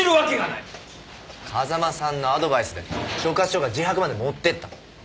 風間さんのアドバイスで所轄署が自白まで持ってった。